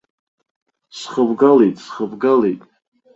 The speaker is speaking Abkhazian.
Схыбгалеит, схыбгалеит!